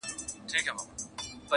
o کيسه په کابل کي ولوستل سوه,